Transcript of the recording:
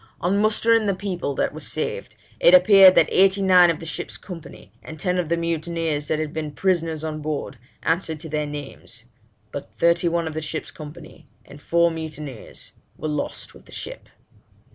On mustering the people that were saved, it appeared that eighty nine of the ship's company, and ten of the mutineers that had been prisoners on board, answered to their names; but thirty one of the ship's company, and four mutineers, were lost with the ship.'